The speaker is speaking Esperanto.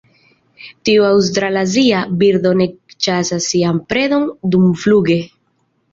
Tiu aŭstralazia birdo ne ĉasas sian predon dumfluge.